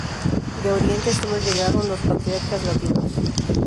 De Oriente sólo llegaron los patriarcas latinos.